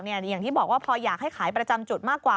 อย่างที่บอกว่าพออยากให้ขายประจำจุดมากกว่า